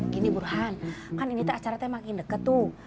gini burhan kan ini tuh acara makin deket tuh